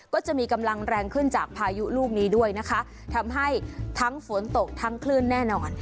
ก็จะมีกำลังแรงขึ้นจากพายุลูกนี้ด้วยนะคะทำให้ทั้งฝนตกทั้งคลื่นแน่นอน